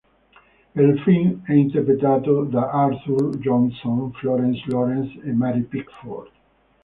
Il film è interpretato da Arthur V. Johnson, Florence Lawrence e Mary Pickford.